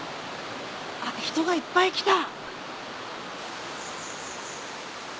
あっ人がいっぱい来た。